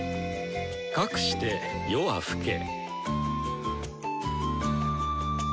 かくして夜は更け。